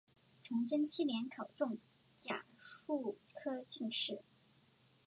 崇祯七年考中甲戌科进士。